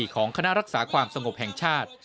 ของคณะรักษาความสงบแห่งชาติ